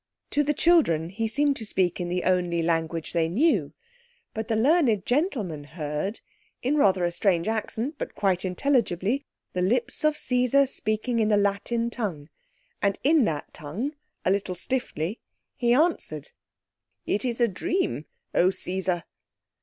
To the children he seemed to speak in the only language they knew; but the learned gentleman heard—in rather a strange accent, but quite intelligibly—the lips of Caesar speaking in the Latin tongue, and in that tongue, a little stiffly, he answered— "It is a dream, O Caesar."